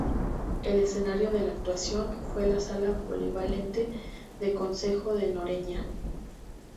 El escenario de la actuación fue la Sala Polivalente del Concejo de Noreña.